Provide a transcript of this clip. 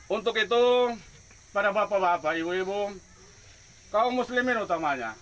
untuk itu pada bapak bapak ibu ibu kaum muslimin utamanya